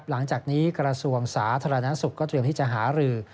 หลังจากนี้กระทรวงสาธารณสุขก็เตรียมที่จะหารือ